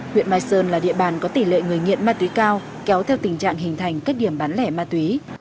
huyện mai sơn là địa bàn có tỷ lệ người nghiện ma túy cao kéo theo tình trạng hình thành các điểm bán lẻ ma túy